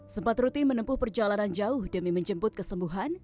sempat rutin menempuh perjalanan jauh demi menjemput kesembuhan